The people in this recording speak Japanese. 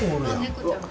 猫ちゃん。